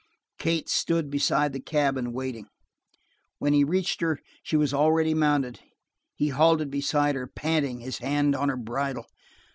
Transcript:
Kate stood beside the cabin, waiting. When he reached her, she was already mounted. He halted beside her, panting, his hand on her bridle.